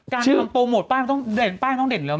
การโปรโมทบ้านต้องเด่นเร็วไหม